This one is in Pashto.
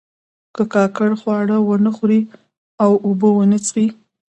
که کارګر خواړه ونه خوري او اوبه ونه څښي